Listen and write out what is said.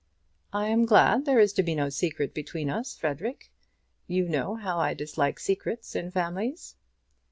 "I am glad there is to be no secret between us, Frederic. You know how I dislike secrets in families."